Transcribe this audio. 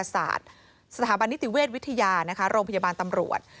สถาบันนิติเวชวิทยานะคะโรงพยาบาลตำรวจ